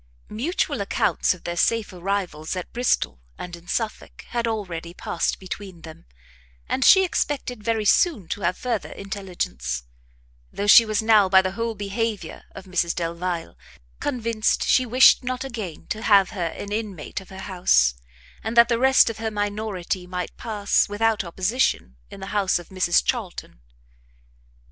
Mutual accounts of their safe arrivals at Bristol and in Suffolk, had already passed between them, and she expected very soon to have further intelligence; though she was now, by the whole behaviour of Mrs Delvile, convinced she wished not again to have her an inmate of her house, and that the rest of her minority might pass, without opposition; in the house of Mrs Charlton.